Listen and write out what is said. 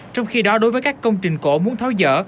trong khi đó đối với các công trình cổ muốn tháo dỡ